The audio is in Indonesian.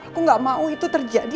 aku gak mau itu terjadi